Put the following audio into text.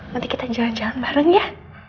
nanti kita jalan jalan bareng ya